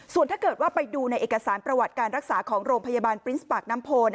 ส่วนถ้าเกิดว่าไปดูในเอกสารประวัติการรักษาของโรงพยาบาลปรินส์ปากน้ำโพ